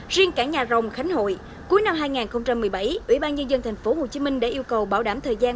riêng cảng nhà rồng khánh hội cuối năm hai nghìn một mươi bảy ủy ban nhân dân tp hcm đã yêu cầu bảo đảm thời gian